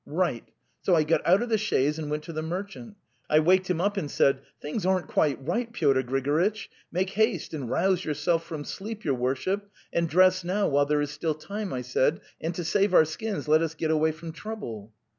. Right! . So I got out of the chaise and went to the merchant. I waked him up and said: ' Things aren't quite right, Pyotr Grigoritch. ... Make haste and rouse yourself from sleep, your worship, and dress now while there is still time,' I said; ' and to save our skins, let us get away fromtrouble.